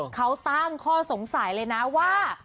เขาตั้งข้อสงสัยเลยนะว่า